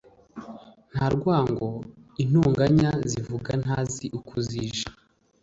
nta rwango, intonganya zivuga ntazi uko zije